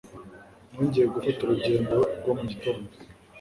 Nongeye gufata urugendo rwo mu gitondo